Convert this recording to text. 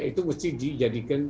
itu mesti dijadikan isu untuk mendakwa